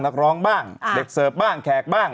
มีสมบัติมาบ้างเดิกเซิร์ฟบ้างแขกบ้าง